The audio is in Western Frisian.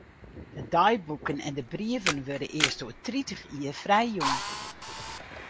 De deiboeken en de brieven wurde earst oer tritich jier frijjûn.